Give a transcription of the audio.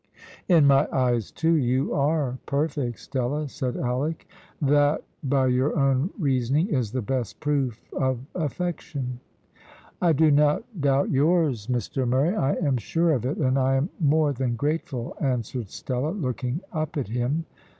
"In my eyes, too, you are perfect, Stella," said Alick. "That by your own reasoning is the best proof of affection." "I do not doubt yours, Mr Murray, I am sure of it, and I am more than grateful," answered Stella, looking up at him.